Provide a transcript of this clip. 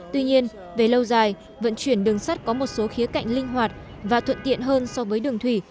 tuy nhiên về lâu dài vận chuyển đường sắt có một số khía cạnh linh hoạt và thuận tiện hơn so với đường thủy